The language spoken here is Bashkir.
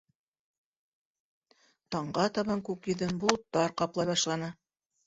Таңға табан күк йөҙөн болоттар ҡаплай башланы.